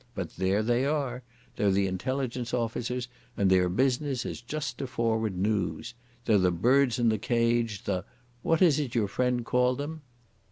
But there they are. They're the intelligence officers and their business is just to forward noos. They're the birds in the cage, the—what is it your friend called them?"